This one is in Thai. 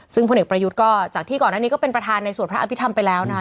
ซึ่งพลเอกประยุทธ์ก็จากที่ก่อนหน้านี้ก็เป็นประธานในสวดพระอภิษฐรรมไปแล้วนะคะ